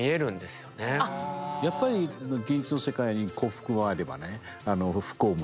やっぱり芸術の世界に幸福もあればね不幸もある。